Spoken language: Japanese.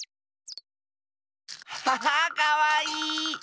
アハハッかわいい！